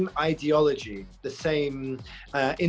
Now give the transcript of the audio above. dengan ideologi yang sama